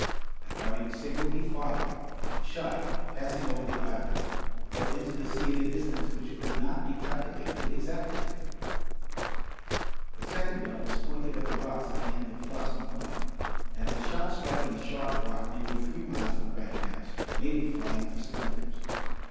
At Harding's signal, he fired. The shot, passing over the islet, fell into the sea at a distance which could not be calculated with exactitude. The second gun was pointed at the rocks at the end of Flotsam Point, and the shot striking a sharp rock nearly three miles from Granite House, made it fly into splinters.